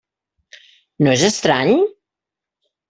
No és estrany?